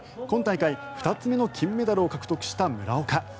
今大会２つ目の金メダルを獲得した村岡。